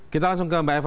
kita langsung ke mbak eva